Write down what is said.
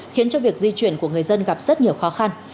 khiến cho việc di chuyển của người dân gặp rất nhiều khó khăn